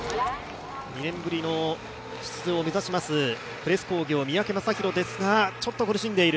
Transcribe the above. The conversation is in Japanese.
２年ぶりの出場を目指しますプレス工業、三宅雅大ですがちょっと苦しんでいる。